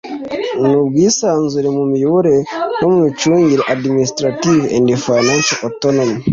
n ubwisanzure mu miyoborere no mu micungire administrative and financial autonomy